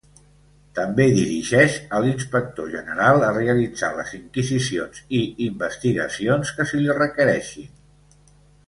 També dirigeix a l'Inspector General a realitzar les inquisicions i investigacions que se li requereixin.